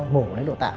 mổ đến độ tạng